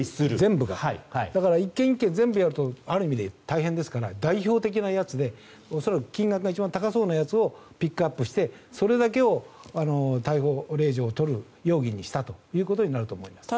だから１件１件全部やるとある意味大変ですから代表的なやつで恐らく金額が一番高そうなやつをピックアップしてそれだけを逮捕令状を取る容疑にしたということになると思います。